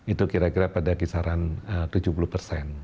itu kira kira pada kisaran tujuh puluh persen